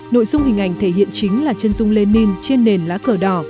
nội dung hình ảnh thể hiện chính là chân dung lenin trên nền lá cờ đỏ